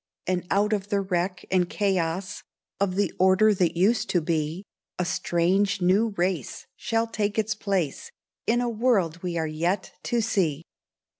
And out of the wreck and chaos Of the order that used to be, A strong new race shall take its place In a world we are yet to see.